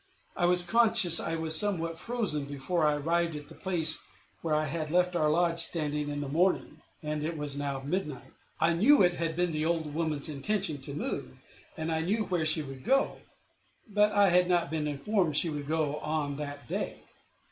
I was conscious I was somewhat frozen before I arrived at the place where I had left our lodge standing in the morning, and it was now midnight. I knew it had been the old woman's intention to move, and I knew where she would go; but I had not been informed she would go on that day.